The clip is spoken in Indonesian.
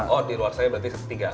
oh di luar saya berarti satu tiga